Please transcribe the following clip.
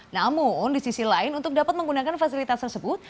namun di sisi lain untuk dapat menggunakan fasilitas tersebut